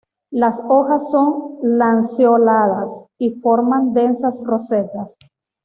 Las hojas son lanceoladas y forman densas rosetas.